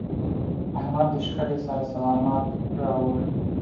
احمد له شخړې سر سلامت راوړ.